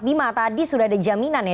mas bima lebih sudah ada jaminannya